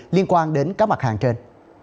liên quan đến các mặt hàng trên